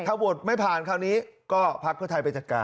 ถ้าโหวตไม่ผ่านคราวนี้ก็พักเพื่อไทยไปจัดการ